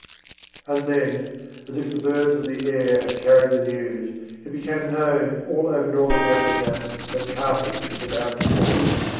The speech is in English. And then, as if the birds of the air had carried the news, it became known all over Northern Africa that Carthage was about to fall.